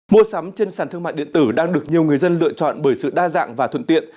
mua sắm trên sàn thương mại điện tử đang được nhiều người dân lựa chọn bởi sự đa dạng và thuận tiện